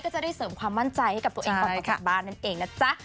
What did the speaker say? ก็จะได้เสริมความมั่นใจให้กับตัวเองออกมาจากบ้านนั่นเองนะจ๊ะ